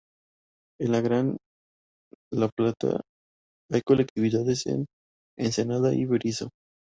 En el Gran La Plata, hay colectividades en Ensenada y Berisso.